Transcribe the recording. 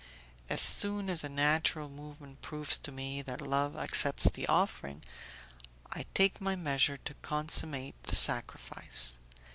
As soon as a natural movement proves to me that love accepts the offering, I take my measures to consummate the sacrifice.